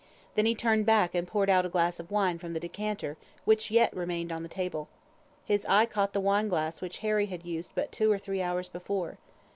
Then he turned back and poured out a glass of wine from the decanter which yet remained on the table. His eye caught the wine glass which Harry had used but two or three hours before.